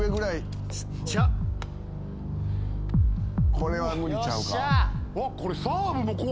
これは無理ちゃうか？